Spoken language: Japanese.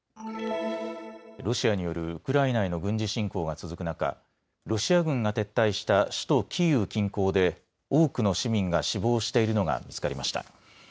ロシアによるウクライナへの軍事侵攻が続く中、ロシア軍が撤退した首都キーウ近郊で多くの市民が死亡しているのが見つかりました。